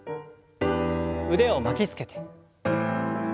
腕を巻きつけて。